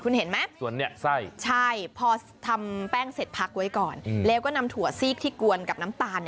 คุณเห็นไหมใช่พอทำแป้งเสร็จพักไว้ก่อนแล้วก็นำถั่วซีกที่กวนกับน้ำตาล